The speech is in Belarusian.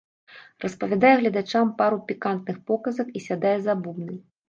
Распавядае гледачам пару пікантных показак і сядае за бубны.